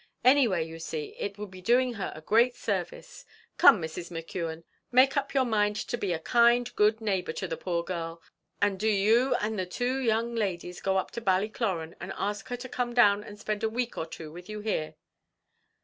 Any way, you see, it would be doing her a kind service. Come, Mrs. McKeon, make up your mind to be a kind, good neighbour to the poor girl; and do you and the two young ladies go up to Ballycloran, and ask her to come down and spend a week or two with you here."